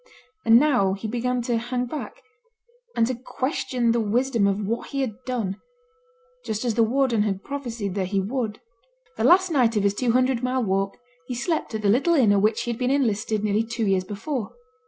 And now he began to hang back, and to question the wisdom of what he had done just as the warden had prophesied that he would. The last night of his two hundred mile walk he slept at the little inn at which he had been enlisted nearly two years before.